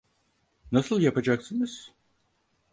Nasıl yapacaksınız?